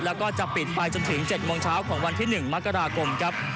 แล้วก็จะปิดไปจนถึง๗โมงเช้าของวันที่๑มกราคมครับ